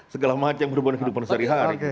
segala macam perubahan kehidupan sehari hari